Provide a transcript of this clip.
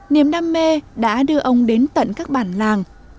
niềm đam mê đã đưa ông đến tận các bản làng